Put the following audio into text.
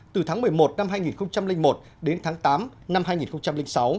từ tháng một mươi một năm hai nghìn một đến tháng tám năm hai nghìn sáu